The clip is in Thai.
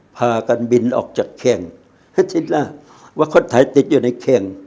พากันบินออกจากเครงที่หน้าว่าคนไทยติดอยู่ในเครง